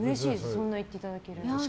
そんな言っていただいて。